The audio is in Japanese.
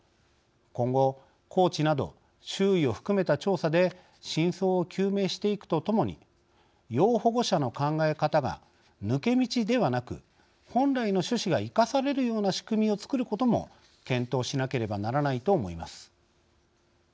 今後、コーチなど周囲を含めた調査で真相を究明していくとともに要保護者の考え方が抜け道ではなく本来の趣旨が生かされるような仕組みを作ることも検討しなければならないと思います。